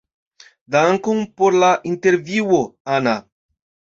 Dankon por la intervjuo, Ana.